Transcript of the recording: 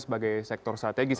sebagai sektor strategis